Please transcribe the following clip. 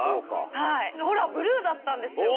ほらブルーだったんですよ。